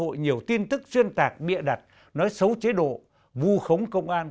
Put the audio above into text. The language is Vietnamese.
cơ hội nhiều tin tức xuyên tạc bịa đặt nói xấu chế độ vu khống công an